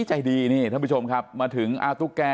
ท่านผู้ชมครับมาถึงตุ๊กแก่